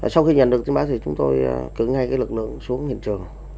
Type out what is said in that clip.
sau khi nhận được tin báo thì chúng tôi cứng ngay lực lượng xuống hiện trường